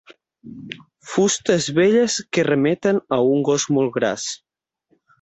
Fustes velles que remeten a un gos molt gras.